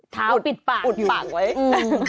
เท้าปิดปากปากไว้อืมน้ำ